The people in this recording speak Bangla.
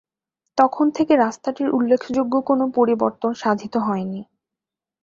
তখন থেকে রাস্তাটির উল্লেখযোগ্য কোন পরিবর্তন সাধিত হয়নি।